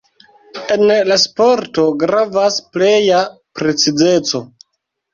En la sporto gravas pleja precizeco.